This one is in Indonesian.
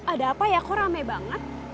ada apa ya kok rame banget